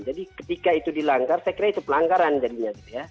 jadi ketika itu dilanggar saya kira itu pelanggaran jadinya